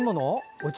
お茶？